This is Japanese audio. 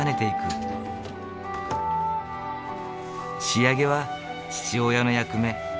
仕上げは父親の役目。